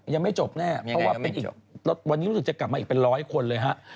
ยังไม่จบแน่เพราะว่าวันนี้จะกลับมาอีกเป็นร้อยคนเลยครับ